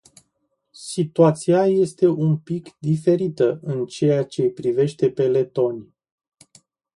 Situația este un pic diferită în ceea ce-i privește pe letoni.